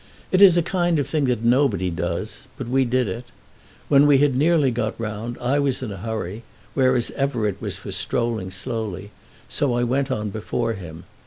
It is a kind of thing that nobody does; but we did it. When we had nearly got round I was in a hurry, whereas Everett was for strolling slowly, and so I went on before him.